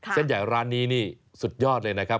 เส้นใหญ่ร้านนี้นี่สุดยอดเลยนะครับ